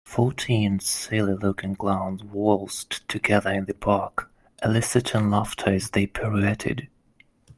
Fourteen silly looking clowns waltzed together in the park eliciting laughter as they pirouetted.